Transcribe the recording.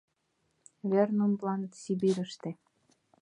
Вер нунылан — Сибирьыште.